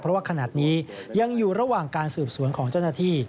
เพราะว่าขนาดนี้ยังอยู่ระหว่างการสืบสวนของเจ้าหน้าที่